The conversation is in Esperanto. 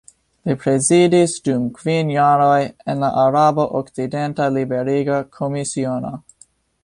Li prezidis dum kvin jaroj en la Araba Okcidenta Liberiga Komisiono.